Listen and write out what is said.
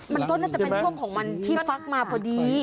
ภาร์มต้นแบบจะฟักเป็าง่ำของมันพอดี